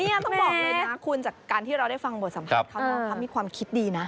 เนี้ยต้องบอกเลยนะคุณจากการที่เราได้ฟังบทสัมภัยครับเขาบอกว่าเขามีความคิดดีนะ